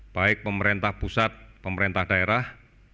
baik pemerintah pusat pemerintah daerah